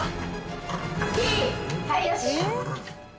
はいよし！